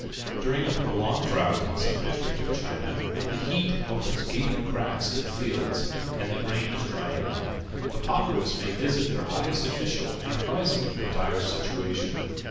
During a prolonged drought in some district of China, when the heat opens gaping cracks in the fields and the grain is drying up, the populace may visit their highest official and apprise him of the dire situation.